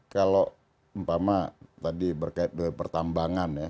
kalau empama tadi berkait pertambangan ya